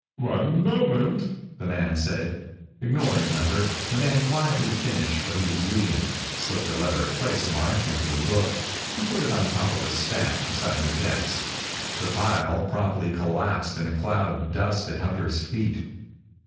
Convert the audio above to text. "One moment," the man said. Ignoring Hunter, the man quietly finished what he was reading, slipped a leather placemark into the book, and put it on top of a stack beside the desk. The pile promptly collapsed in a cloud of dust at Hunter's feet.